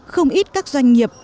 không ít các doanh nghiệp